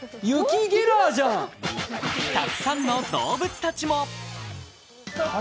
たくさんの動物たちも。